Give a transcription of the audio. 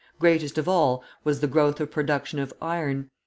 Greatest of all was the growth of production of iron.